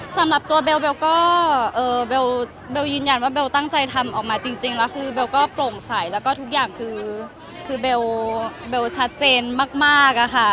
สำหรับตัวเบลก็เบลยืนยันว่าเบลตั้งใจทำออกมาจริงแล้วคือเบลก็โปร่งใสแล้วก็ทุกอย่างคือเบลชัดเจนมากอะค่ะ